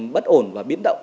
bất ổn và biến động